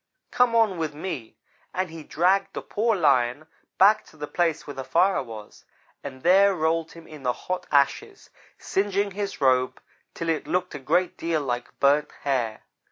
Come on with me'; and he dragged the poor Lion back to the place where the fire was, and there rolled him in the hot ashes, singeing his robe till it looked a great deal like burnt hair.